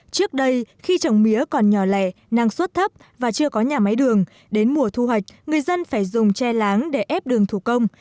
trước đây khi trồng mía còn nhỏ lẻ năng suất thấp và chưa có nhà máy đường đến mùa thu hoạch người dân phải dùng che láng để ép đường thủ công